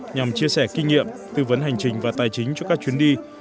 nhằm chia sẻ kinh nghiệm tư vấn hành trình và tài chính cho các chuyến đi